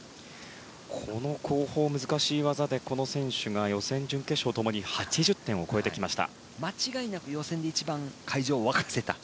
この後方、難しい技でこの選手が予選、準決勝ともに８０点を超えてきました。